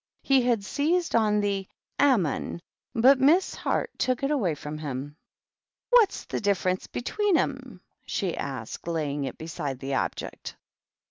He had seized on the "ammon," but Miss Heart took it away from him. "What's the difference between 'em?" she asked, laying it beside the Object.